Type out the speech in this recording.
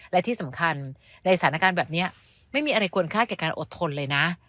และที่สำคัญในสถานการณ์แบบนี้ไม่มีอะไรควรคาดกับการอดทนเลยนะ